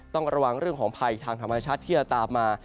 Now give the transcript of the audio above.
ต้องระวังเรื่องของภัยทางธรรมชาติที่จะตามมา